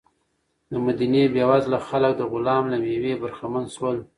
د مدینې بېوزله خلک د غلام له مېوې برخمن شول.